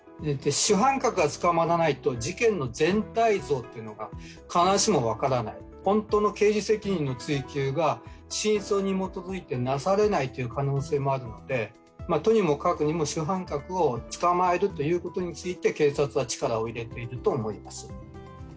主犯格が捕まらないと事件の全体像というのが必ずしも分からない、本当の刑事責任の追及が真相に基づいてなされない可能性もあるので、とにもかくにも主犯格を捕まえることについて警察は力を入れていると思います。